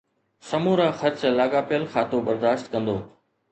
سمورا خرچ لاڳاپيل کاتو برداشت ڪندو.